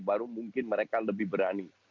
baru mungkin mereka lebih berani